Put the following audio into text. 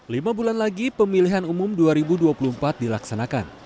lima bulan lagi pemilihan umum dua ribu dua puluh empat dilaksanakan